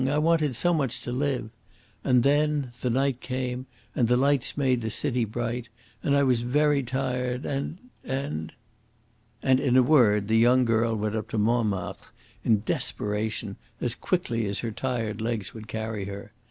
I wanted so much to live. And then the night came, and the lights made the city bright, and I was very tired and and " And, in a word, the young girl went up to Montmartre in desperation, as quickly as her tired legs would carry her.